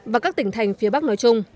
và các tỉnh thành phía bắc nói chung